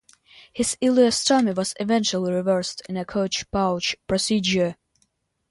His ileostomy was eventually reversed in a Koch pouch procedure.